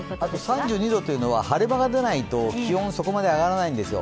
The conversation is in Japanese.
３２度というのは晴れ間がでないと、気温がそこまで上がらないんですよ。